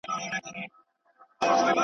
زور يې نه وو برابر له وزيرانو.